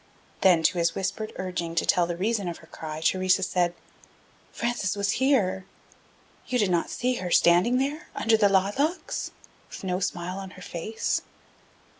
Then, to his whispered urging to tell the reason of her cry, Theresa said: "Frances was here. You did not see her, standing there, under the lilacs, with no smile on her face?"